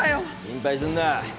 心配すんな。